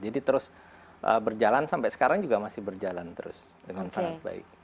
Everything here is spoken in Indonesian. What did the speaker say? jadi terus berjalan sampai sekarang juga masih berjalan terus dengan sangat baik